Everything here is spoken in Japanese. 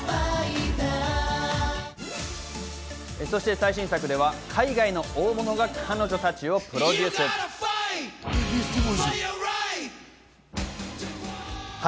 そして最新作では海外の大物が彼女たちをプロデュース。